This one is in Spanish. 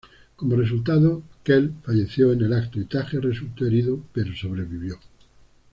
Como resultado Quel falleció en el acto y Tajes resultó herido pero sobrevivió.